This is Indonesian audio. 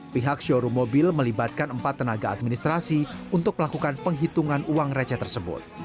pihak showroom mobil melibatkan empat tenaga administrasi untuk melakukan penghitungan uang receh tersebut